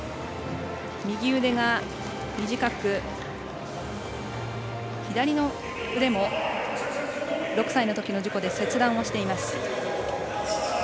右腕が短く左の腕も６歳のときの事故で切断をしています。